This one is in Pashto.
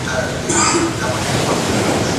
خپله پانګه په مولدو برخو کي په کار واچوئ.